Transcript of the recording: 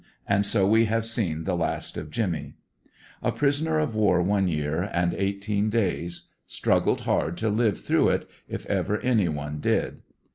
And so we have seen the last of Jimmy. A prisoner of war one year and eighteen days. Struggled hard to live through it, if ever any one did.